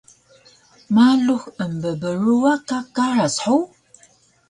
Ma lux embbruwa ka karac hug?